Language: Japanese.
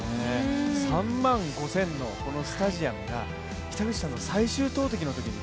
３万５０００のスタジアムが北口さんの最終投てきのときに